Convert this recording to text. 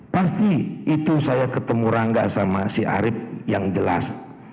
pasti itu saya ketemu rangga sama si arief yang jelas